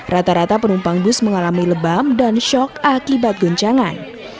rata rata penumpang bus mengalami lebam dan shock akibat goncangan